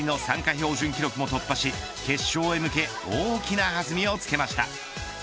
標準記録も突破し決勝へ向け大きな弾みをつけました。